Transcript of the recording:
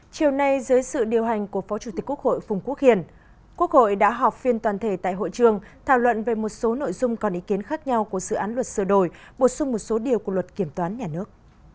chiều nay dưới sự điều hành của phó chủ tịch quốc hội phùng quốc hiền quốc hội đã họp phiên toàn thể tại hội trường thảo luận về một số nội dung còn ý kiến khác nhau của dự án luật sửa đổi bổ sung một số điều của luật kiểm toán nhà nước